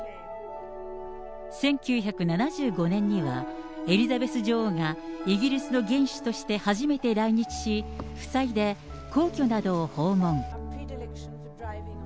１９７５年にはエリザベス女王がイギリスの元首として初めて来日し、夫妻で皇居などを訪問。